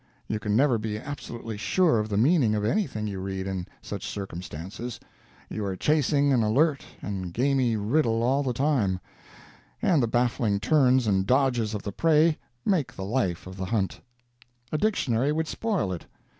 You can never be absolutely sure of the meaning of anything you read in such circumstances; you are chasing an alert and gamy riddle all the time, and the baffling turns and dodges of the prey make the life of the hunt. A dictionary would spoil it.